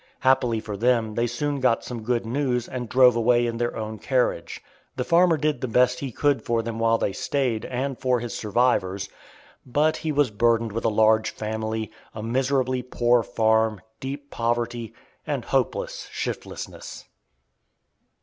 Happily for them they soon got some good news, and drove away in their own carriage. The farmer did the best he could for them while they stayed, and for his survivors; but he was burdened with a large family, a miserably poor farm, deep poverty, and hopeless shiftlessness.